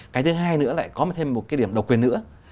cái thứ hai nữa lại có thêm một cái điểm độc quyền nữa